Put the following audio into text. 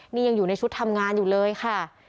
นี่ยังอยู่ในชุดทำงานอยู่เลยค่ะ